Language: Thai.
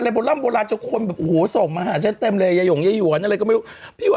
อะไรบนร่ำบุราชคนแบบโอ้โหส่งมาหาฉันเต็มเลยยาย่วนอะไรก็ไม่รู้